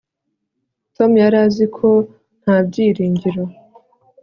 tom yari azi ko nta byiringiro